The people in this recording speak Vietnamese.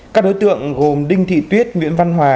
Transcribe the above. các đối tượng gồm đinh thị tuyết nguyễn văn hòa